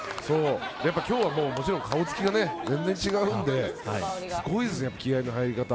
今日はもちろん顔つきが全然違うのですごいですね、気合の入り方。